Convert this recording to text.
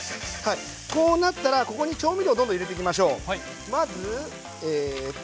こうなったら、ここに調味料をどんどん入れていきましょう。